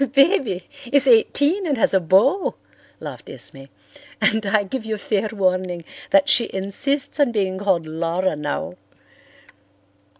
"'Baby' is eighteen and has a beau," laughed Esme. "And I give you fair warning that she insists on being called Laura now.